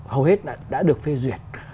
hầu hết đã được phê duyệt